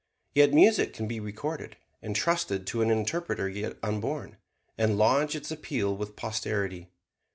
Yet music can be recorded, entrusted to an interpreter yet unborn, and lodge its appeal with posterity.